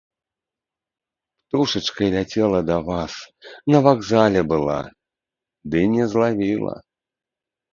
Птушачкай ляцела да вас, на вакзале была, ды не злавіла.